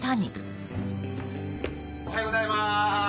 おはようございます。